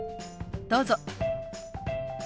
どうぞ。